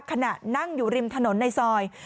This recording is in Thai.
ขณะนั่งอยู่ริมถนนในซอย